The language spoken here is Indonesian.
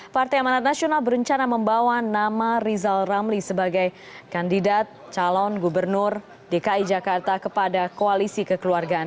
partai amanat nasional berencana membawa nama rizal ramli sebagai kandidat calon gubernur dki jakarta kepada koalisi kekeluargaan